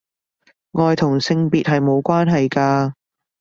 愛同性別係無關係㗎